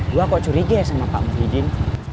gua kok curiga sama pak muhyiddin